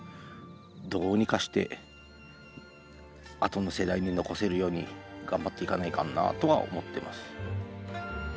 どうにかして後の世代に残せるように頑張っていかないかんなとは思ってます。